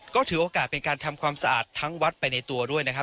ก็ถือโอกาสเป็นการทำความสะอาดทั้งวัดไปในตัวด้วยนะครับ